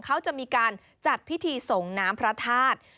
เขาจะมีการจัดพิธีส่งน้ำพระธาตุ